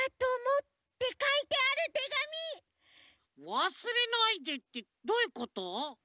わすれないでってどういうこと？